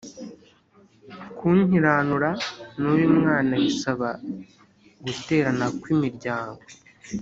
kunkiranura n uyu mwana bisaba guterana ku imiryango